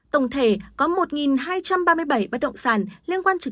tổng thể có một hai trăm ba mươi bảy bất động sản liên quan đến